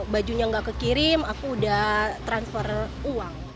bajunya nggak kekirim aku udah transfer uang